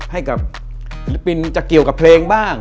ให้กับศิลปินจะเกี่ยวกับเพลงบ้าง